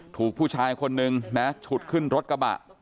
ถูกผู้ชายคนนึงนะฉุดขึ้นรถกระบะ